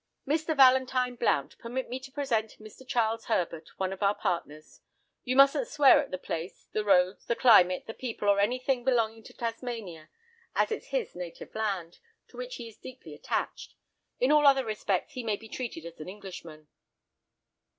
"Mr. Valentine Blount, permit me to present Mr. Charles Herbert, one of our partners. You mustn't swear at the place, the roads, the climate, the people, or anything belonging to Tasmania, as it's his native land, to which he is deeply attached. In all other respects he may be treated as an Englishman."